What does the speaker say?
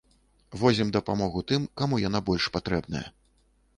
Возім дапамогу тым, каму яна больш патрэбная.